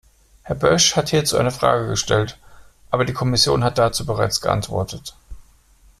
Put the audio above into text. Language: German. Herr Bösch hat hierzu eine Frage gestellt, aber die Kommission hat dazu bereits geantwortet.